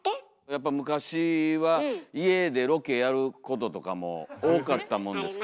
やっぱ昔は家でロケやることとかも多かったもんですから。